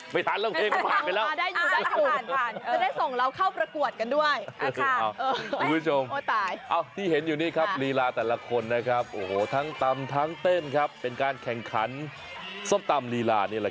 ไม่นี่ฉันดูคุณผู้ชมส่งคอมเมนต์มาอยู่นี่